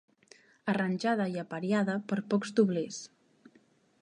Arranjada i apariada per pocs doblers.